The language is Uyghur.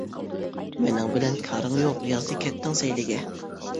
مىنىڭ بىلەن كارىڭ يوق يازدا كەتتىڭ سەيلىگە.